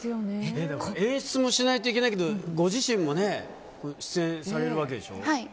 演出もしないといけないけどご自身も出演されるわけでしょ。